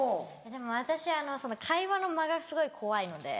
でも私会話の間がすごい怖いので。